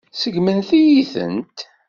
Seggment-iyi-tent.